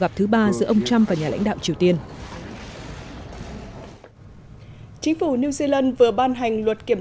gặp thứ ba giữa ông trump và nhà lãnh đạo triều tiên chính phủ new zealand vừa ban hành luật kiểm